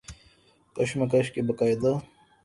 کشمش کے باقاعدہ